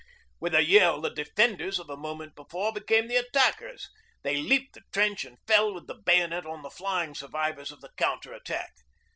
With a yell the defenders of a moment before became the attackers. They leaped the trench and fell with the bayonet on the flying survivors of the counter attack.